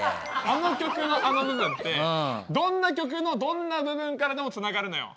あの曲のあの部分ってどんな曲のどんな部分からでもつながるのよ。